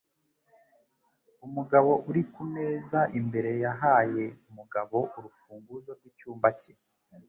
Umugabo uri kumeza imbere yahaye Mugabo urufunguzo rwicyumba cye.